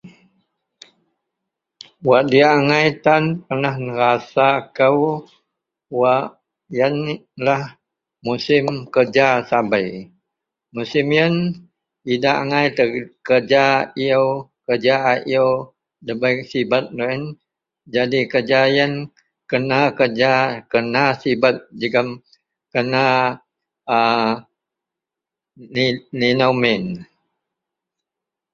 wak diak angai tan pernah nerasa kou, wak ien lah musim kerja sabei, musim ien idak angai kerja iew, kerja a iew debei sibet loyen jadi kerja ien, kena kerja kena sibet jegum kena aa di ninou min